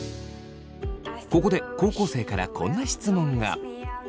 ここで高校生からこんな質問が。